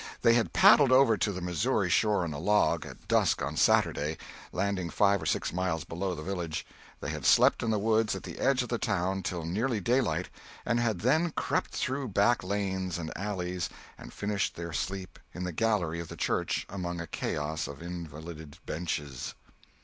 They had paddled over to the Missouri shore on a log, at dusk on Saturday, landing five or six miles below the village; they had slept in the woods at the edge of the town till nearly daylight, and had then crept through back lanes and alleys and finished their sleep in the gallery of the church among a chaos of invalided benches.